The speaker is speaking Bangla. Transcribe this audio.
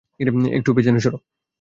একটু পেছনে সরো।